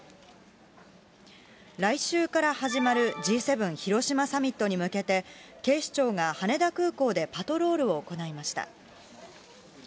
来週から始まるＧ７広島サミットに向けて、警視庁が羽田空港でパトロールを行いました。